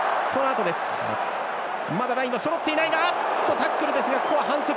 タックルですがここは反則。